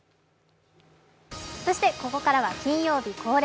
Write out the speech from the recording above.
そして、ここからは金曜日恒例